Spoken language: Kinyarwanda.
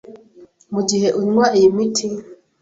Mu gihe unywa iyi miti